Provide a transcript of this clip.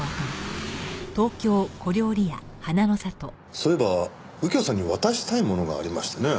そういえば右京さんに渡したいものがありましてね。